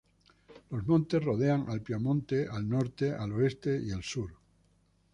Los montes rodean al Piamonte al norte, al oeste y al sur.